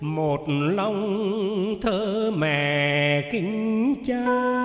một lòng thơ mẹ kính cha